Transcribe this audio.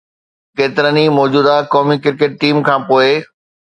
ڪيترن ئي موجوده قومي ڪرڪيٽ ٽيم کان پوء